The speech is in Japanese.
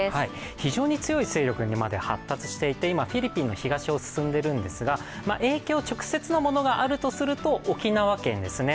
非常に強い勢力にまで発達していて今、フィリピンの東を進んでいるんですが影響、直接のものがあるとすると、沖縄県ですね。